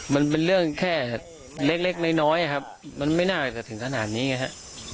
มันเป็นเรื่องแค่เล็กน้อยครับมันไม่น่าจะถึงขนาดนี้ไงฮะ